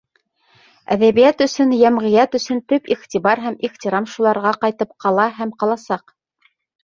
Әҙәбиәт өсөн, йәмғиәт өсөн төп иғтибар һәм ихтирам шуларға ҡайтып ҡала һәм ҡаласаҡ.